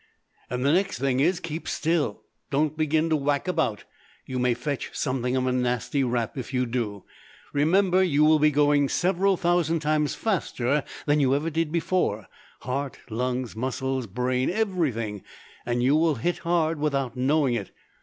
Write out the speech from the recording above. "And the next thing is, keep still. Don't begin to whack about. You may fetch something a nasty rap if you do. Remember you will be going several thousand times faster than you ever did before, heart, lungs, muscles, brain everything and you will hit hard without knowing it.